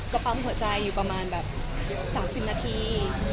ก็ป๊าเหงื่อหัวใจอยู่ประมาณแบบ๓๐นาที